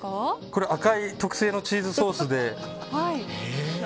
これ、赤い特製のチーズソースで。